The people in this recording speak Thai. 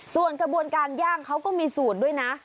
ส่วนกระบวนการย่างเขาก็มีสูตรด้วยนะ